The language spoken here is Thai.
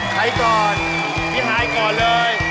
ใครก่อนพี่ฮายก่อนเลย